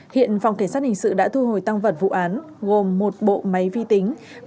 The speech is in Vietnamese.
hiện phòng cảnh sát hình sự đã thu hồi tăng vật vụ án gồm một bộ máy vi tính